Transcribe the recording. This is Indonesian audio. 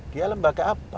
dia lembaga apa